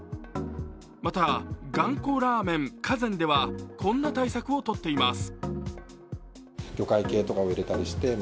また、がんこラーメン華漸ではこんな対策をとっています。